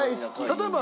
例えば。